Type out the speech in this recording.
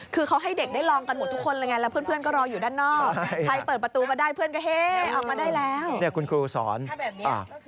คือเขาให้เด็กได้ลองกันหมดทุกคนแล้ว